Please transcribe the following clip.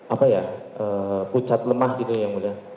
apa ya pucat lemah gitu ya mulia